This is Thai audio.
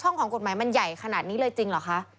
ของกฎหมายมันใหญ่ขนาดนี้เลยจริงเหรอคะ